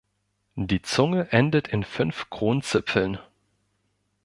Die Zunge endet in fünf Kronzipfeln.